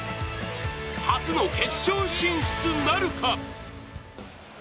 初の決勝進出なるか。